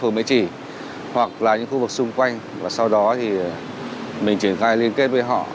hoặc là những khu vực xung quanh và sau đó mình triển khai liên kết với họ